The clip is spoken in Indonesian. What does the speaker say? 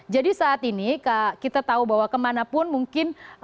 jadi saat ini kita tahu bahwa kemanapun mungkin